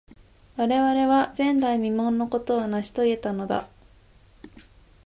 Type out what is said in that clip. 我々は、前代未聞のことを成し遂げたのだ。